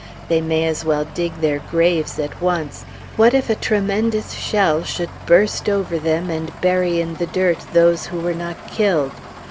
They may as well dig their graves at once; what if a tremendous shell should burst over them, and bury in the dirt those who were not killed?